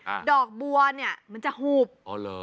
ดอกบัวเนี้ยมันจะหูบอ๋อเหรอ